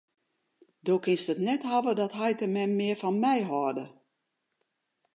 Do kinst it net hawwe dat heit en mem mear fan my hâlde.